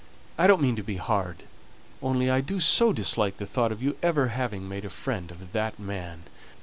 I don't mean to be hard, only I do so dislike the thought of your ever having made a friend of that man."